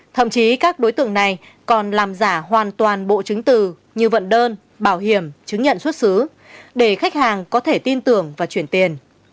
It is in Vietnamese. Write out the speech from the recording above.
thậm chí các đối tượng này còn làm giả hoàn toàn bộ chứng từ như vận đơn bảo hiểm chứng nhận xuất xứ để khách hàng có thể tin tưởng và chuyển tiền